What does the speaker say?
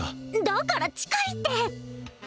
だから近いって！